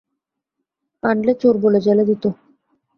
আনলে চোর বলে জেলে দিত।